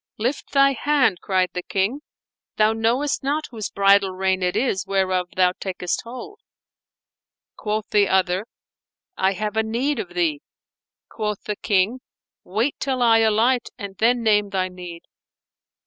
"Lift thy hand," cried the King, "thou knowest not whose bridle rein it is whereof thou takest hold." Quoth the other, I have a need of thee." Quoth the King, "Wait till I alight and then name thy need."